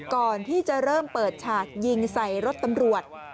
ก่อนที่จะเริ่มเปิดฉากยิงใส่รถตำรวจ